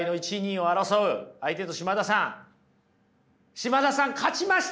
嶋田さん勝ちました！